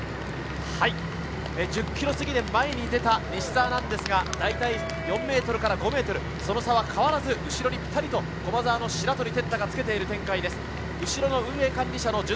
１０ｋｍ過ぎで前に出た西澤ですが、大体４ｍから５ｍ、その差は変わらず後ろにぴたりと駒澤の白鳥哲汰がつけています。